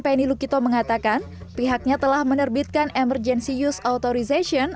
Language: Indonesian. penny lukito mengatakan pihaknya telah menerbitkan emergency use authorization